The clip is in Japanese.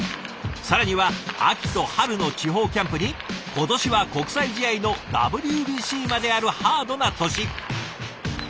更には秋と春の地方キャンプに今年は国際試合のＷＢＣまであるハードな年。